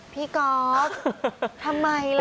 พี่ก๊อบทำไมล่ะ